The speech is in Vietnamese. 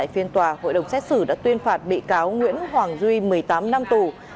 phiên tòa hội đồng xét xử đã tuyên phạt bị cáo nguyễn hoàng duy một mươi tám năm tù